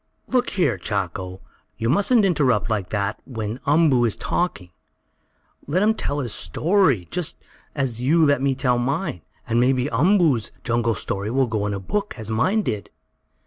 "Look here, Chako! You mustn't interrupt like that when Umboo is talking! Let him tell his story, just as you let me tell mine. And maybe Umboo's jungle story will go in a book, as mine did."